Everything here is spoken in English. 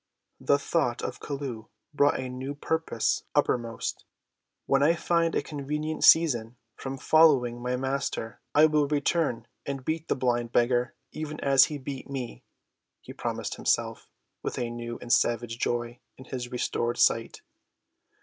The thought of Chelluh brought a new purpose uppermost. "When I find a convenient season from following my Master I will return and beat the blind beggar even as he beat me," he promised himself, with a new and savage joy in his restored sight.